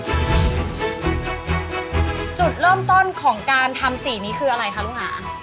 จุดเริ่มต้นของการทำสีนี้คืออะไรคะลูกหา